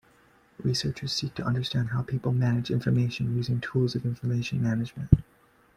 Researchers seek to understand how people manage information using tools of information management.